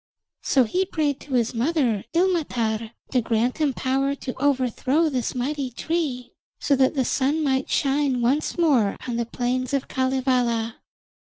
So he prayed to his mother Ilmatar to grant him power to overthrow this mighty tree, so that the sun might shine once more on the plains of Kalevala.